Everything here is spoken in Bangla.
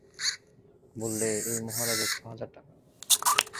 বললে, এই মহারাজের ছ হাজার টাকা।